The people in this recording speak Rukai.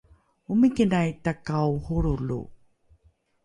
omikinai takao holrolo